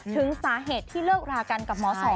ถึงสาเหตุที่เลิกรากันกับหมอสอง